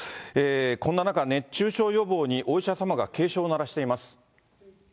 こんな中、熱中症予防にお医者様が警鐘を鳴らしています。